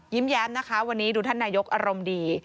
แย้มนะคะวันนี้ดูท่านนายกอารมณ์ดี